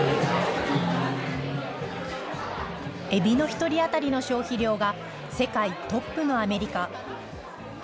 エビの１人当たりの消費量が世界トップのアメリカ。